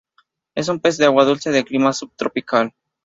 Es un pez de Agua dulce, de clima subtropical.